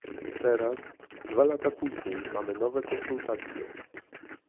Teraz, dwa lata później, mamy nowe konsultacje